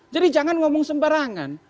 jadi jangan ngomong sembarangan